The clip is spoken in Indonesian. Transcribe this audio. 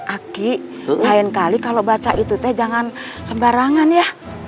aki lain kali kalau baca itu teh jangan sembarangan ya